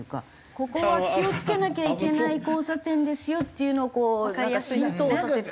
ここは気を付けなきゃいけない交差点ですよっていうのをこうなんか浸透をさせると。